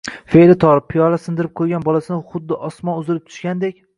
fe’li tor, piyola sindirib qo‘ygan bolasini xuddi osmon uzilib tushgandek